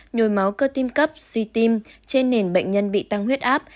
nhồi máu cơ tim cấp suy tim trên nền bệnh nhân bị tăng huyết áp